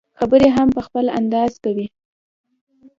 خبرې هم په خپل انداز کوي.